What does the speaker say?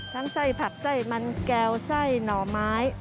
ไส้ผักไส้มันแก้วไส้หน่อไม้